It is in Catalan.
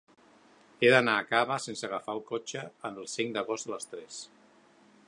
He d'anar a Cava sense agafar el cotxe el cinc d'agost a les tres.